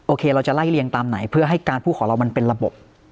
โคเราจะไล่เรียงตามไหนเพื่อให้การพูดของเรามันเป็นระบบ